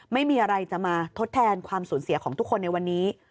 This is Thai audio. ไม่มีอะไรจะมาทดแทนความสูญเสียของทุกคนในวันนี้